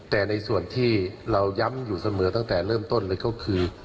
แต่ในส่วนที่เราย้ำอยู่เสมอตั้งแต่เริ่มต้นเลยก็คือ